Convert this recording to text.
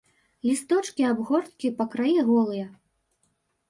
Лісточкі абгорткі па краі голыя.